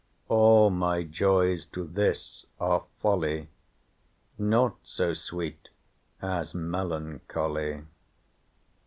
All my joys to this are folly, Naught so sweet as melancholy."